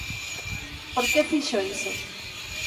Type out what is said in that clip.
¿Por que fixo iso?